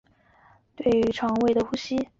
对于胃肠和呼吸的疾病有益。